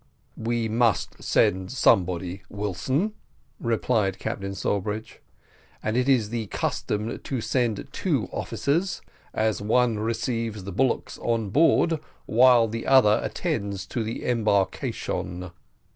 "We must send somebody, Wilson," replied Captain Sawbridge, "and it is the custom to send two officers, as one receives the bullocks on board, while the other attends to the embarkation."